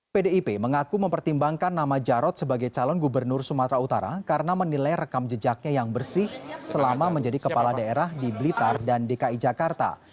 pdip mengaku mempertimbangkan nama jarod sebagai calon gubernur sumatera utara karena menilai rekam jejaknya yang bersih selama menjadi kepala daerah di blitar dan dki jakarta